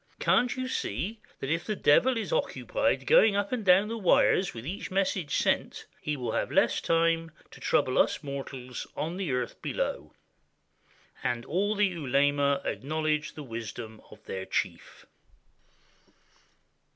Can't you 565 TURKEY see that if the Devil is occupied going up and down the wires with each message sent, he will have less time to trouble us mortals on the earth below?" And all the ulema acknowledged the wisdom of their chief.